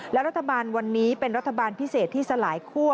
และรัฐบาลวันนี้เป็นรัฐบาลพิเศษที่สลายคั่ว